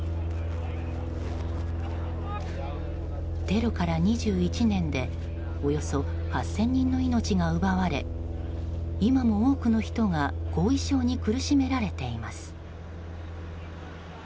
テロから２１年でおよそ８０００人の命が奪われ今も多くの人が後遺症に苦しめられています。